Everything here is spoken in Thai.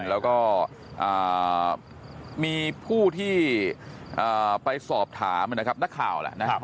แล้วก็มีผู้ที่ไปสอบถามนะครับนักข่าวแหละนะครับ